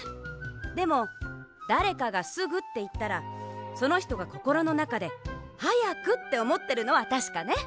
でもだれかが「すぐ」っていったらそのひとがこころのなかで「はやく」っておもってるのはたしかね。